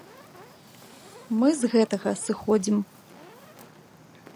Мы з гэтага сыходзім.